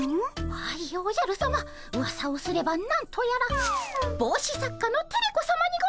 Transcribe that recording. はいおじゃるさまうわさをすれば何とやらぼうし作家のテレ子さまにございます。